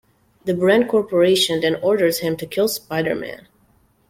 The Brand Corporation then orders him to kill Spider-Man.